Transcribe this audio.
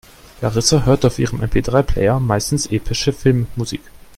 Larissa hört auf ihrem MP-drei-Player meistens epische Filmmusik.